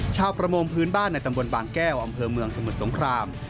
ประมงพื้นบ้านในตำบลบางแก้วอำเภอเมืองสมุทรสงคราม